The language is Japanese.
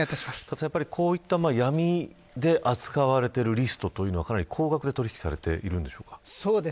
こういった闇で扱われているリストはかなり高額で取り引きされているんでしょうか。